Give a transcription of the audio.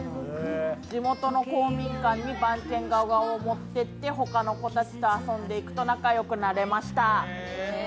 地元の公民館に番犬ガオガオを持っていって他の子たちと遊んでいくと、仲よくなれました。